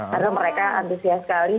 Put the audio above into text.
karena mereka antusias sekali